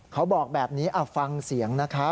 เขาบอกแบบนี้ฟังเสียงนะคะ